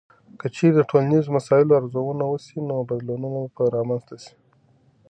که چیرې د ټولنیزو مسایلو ارزونه وسي، نو بدلونونه به رامنځته سي.